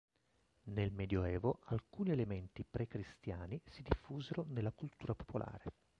Nel medioevo alcuni elementi pre-cristiani si diffusero nella cultura popolare.